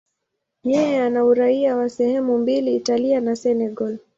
Yeye ana uraia wa sehemu mbili, Italia na Senegal.